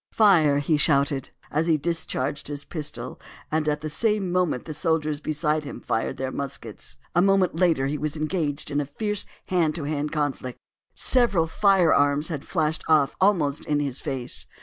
"Fire!" he shouted as he discharged his pistol; and at the same moment the soldiers beside him fired their muskets. A moment later he was engaged in a fierce hand to hand conflict. Several firearms had flashed off almost in his face.